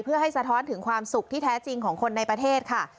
เพื่อให้สะท้อนถึงความสุขที่แท้จริงของคนในประเทศค่ะ